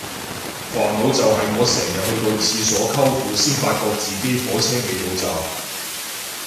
煩惱就係我成日去到廁所摳褲先發覺自己火車未到站